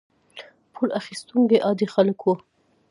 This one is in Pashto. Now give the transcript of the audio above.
پور اخیستونکي عادي خلک وو.